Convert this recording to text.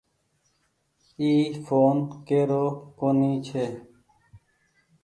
اي ڦون ڪيرو ڪونيٚ ڇي۔